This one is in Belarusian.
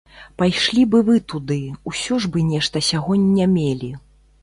Пайшлі б і вы туды, усё ж бы нешта сягоння мелі.